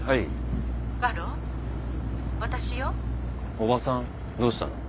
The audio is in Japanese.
叔母さんどうしたの？